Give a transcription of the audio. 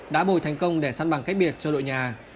đã bồi thành công để săn bằng cách biệt cho đội nhà